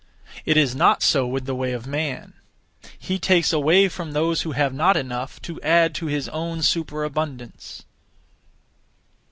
It is not so with the way of man. He takes away from those who have not enough to add to his own superabundance.